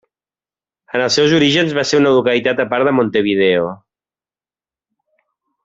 En els seus orígens va ser una localitat a part de Montevideo.